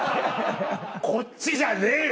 こっちじゃねえよ